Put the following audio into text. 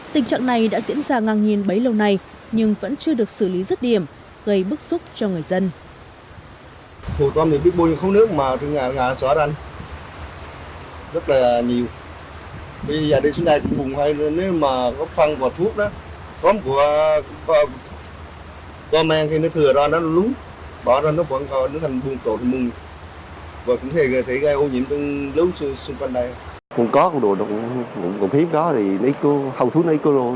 tình trạng này đã diễn ra ngang nhiên bấy lâu nay nhưng vẫn chưa được xử lý rất điểm gây bức xúc cho người dân